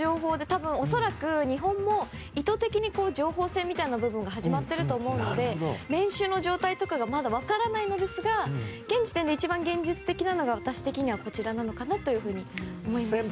多分、日本も意図的に情報戦みたいな部分が始まってると思うので練習の状態とかがまだ分からないんですが現時点で一番現実的なのが私的にはこちらかなと思います。